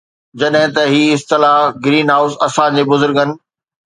جڏهن ته هي اصطلاح گرين هائوس اسان جي بزرگن